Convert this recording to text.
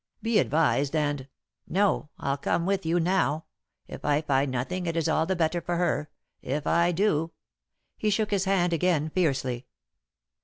Be advised, and " "No. I'll come with you now. If I find nothing, it is all the better for her. If I do " He shook his hand again fiercely.